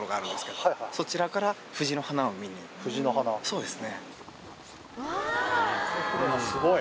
そうですね。